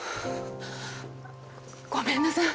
ごめんなさい。